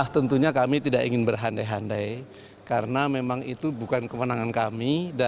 tentunya kami tidak ingin berhandai handai karena memang itu bukan kemenangan kami